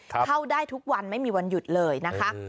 เข้าได้ทุกวันไม่มีวันหยุดเลยนะคะ